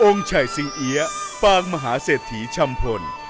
องค์ชัยสิงเหียปางมหาเศรษฐีชำพล